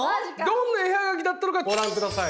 どんな絵はがきだったのかご覧下さい。